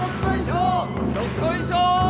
どっこいしょー